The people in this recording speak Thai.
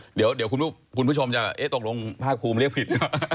เดี๋ยวคุณผู้ชมจะตกลงภาคภูมิเรียกผิด